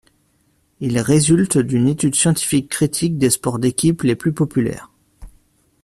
Il résulte d'une étude scientifique critique des sports d'équipes les plus populaires.